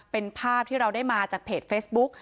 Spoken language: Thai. เป็นภาพที่เราได้มาจากเพจเฟซบุ๊ก